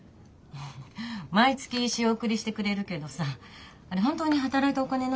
毎月仕送りしてくれるけどさあれ本当に働いたお金なの？